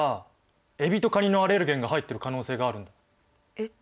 えっ？